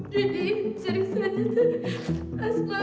jadi sering saja tadi